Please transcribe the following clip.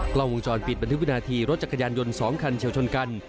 กล้องวงจรปิดบันทึกวินาทีรถจักรยานยนต์๒คันเฉียวชนกัน